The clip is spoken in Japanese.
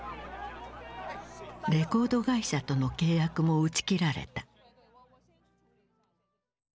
レコード会社との契約も打ち切られた。